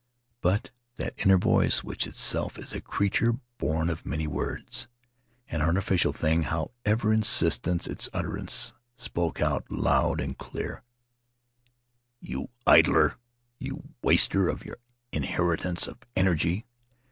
But that inner voice, which itself is a creature born of many words — an artificial thing, however insistent its utterance — spoke out loud and clear: "You idler! You waster of your inheritance of energy